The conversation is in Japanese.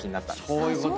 そういうことか。